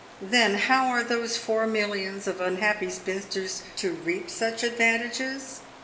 Then, how are those four millions of unhappy spinsters to reap such advantages